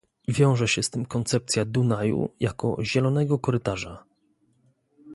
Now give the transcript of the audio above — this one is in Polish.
Wiąże się z tym koncepcja Dunaju jako zielonego korytarza